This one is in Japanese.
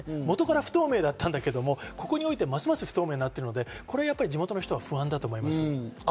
元から不透明だったんだけど、ここにおいてますます不透明になっているので地元の人は不安だと思います。